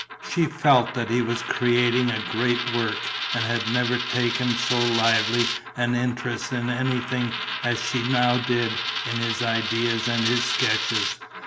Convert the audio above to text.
She felt that he was creating a great work and had never taken so lively an interest in anything as she now did in his idea and his sketches.